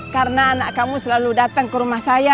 karena anak kamu selalu datang ke rumah saya